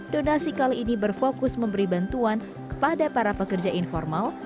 donasi kali ini berfokus memberi bantuan kepada para pekerja informal